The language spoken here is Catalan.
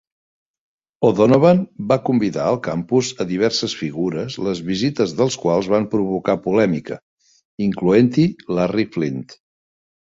O'Donovan va convidar al campus a diverses figures les visites dels quals van provocar polèmica, incloent-hi Larry Flynt.